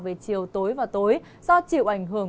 về chiều tối và tối do chịu ảnh hưởng